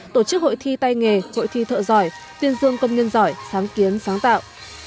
tổ chức hội thi tay nghề hội thi thợ giỏi tuyên dương công nhân giỏi sáng kiến sáng tạo